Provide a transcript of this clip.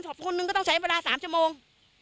คนนึงก็ต้องใช้เวลา๓ชั่วโมง